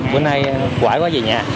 hôm nay quãi quá về nhà